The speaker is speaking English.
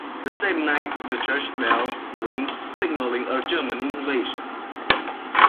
The same night the church bells ring signalling a German invasion.